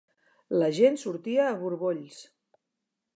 La gent sortia a borbolls.